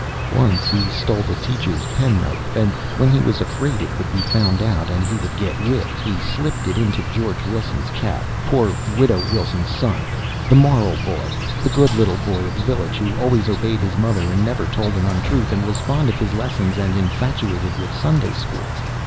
Once he stole the teacher's penknife, and, when he was afraid it would be found out and he would get whipped, he slipped it into George Wilson's cap poor Widow Wilson's son, the moral boy, the good little boy of the village, who always obeyed his mother, and never told an untruth, and was fond of his lessons, and infatuated with Sunday school.